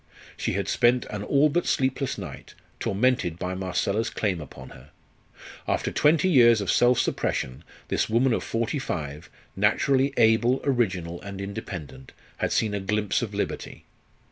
She had spent an all but sleepless night, tormented by Marcella's claim upon her. After twenty years of self suppression this woman of forty five, naturally able, original, and independent, had seen a glimpse of liberty.